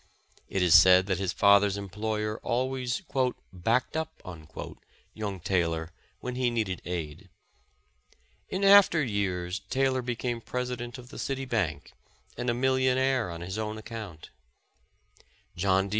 It is said that his father's employer always backed up" young Taylor when he needed aid. In after years, Taylor became President of the City Bank, and a millionaire on his own account. John D.